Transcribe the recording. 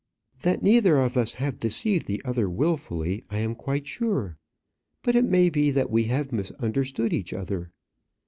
That neither of us have deceived the other wilfully I am quite sure; but it may be that we have misunderstood each other.